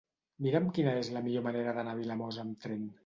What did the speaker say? Mira'm quina és la millor manera d'anar a Vilamòs amb tren.